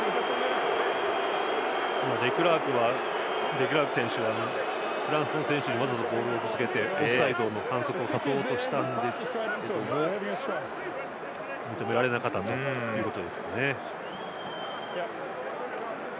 デクラーク選手はフランスの選手にわざとボールをぶつけてオフサイドの反則をさせようとしたんですがうまく決められなかったようです。